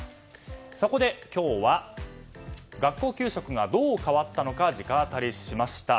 そこで今日は学校給食がどう変わったのか直アタリしました。